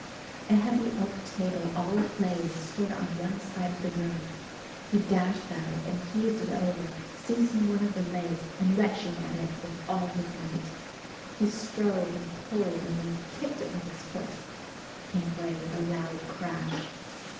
A heavy oak table all ablaze stood on one side of the room; he dashed at it, and heaved it over, seizing one of the legs and wrenching at it with all his might. He strove and pulled and then kicked it with his foot. It came away with a loud crash.